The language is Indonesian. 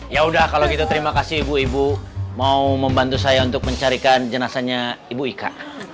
ya udah kalau gitu terima kasih ibu ibu mau membantu saya untuk mencarikan jenazahnya ibu ika